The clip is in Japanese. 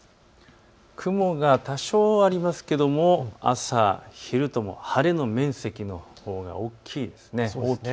雲が多少ありますが朝、昼と晴れの面積のほうが大きいです。